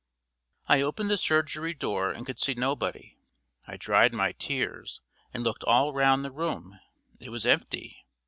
I opened the surgery door and could see nobody. I dried my tears and looked all round the room it was empty.